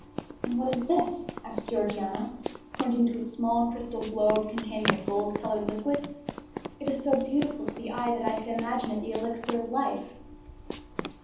"And what is this?" asked Georgiana, pointing to a small crystal globe containing a gold colored liquid. "It is so beautiful to the eye that I could imagine it the elixir of life."